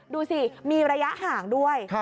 ดูสิมีระยะห่างด้วย